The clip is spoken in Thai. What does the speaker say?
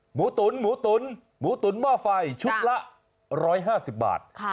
หมูตุ๋นหมูตุ๋นหมูตุ๋นหม้อไฟชุดละ๑๕๐บาท